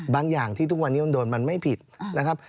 อย่างที่ทุกวันนี้มันโดนมันไม่ผิดนะครับ